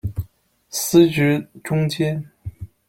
司职中坚。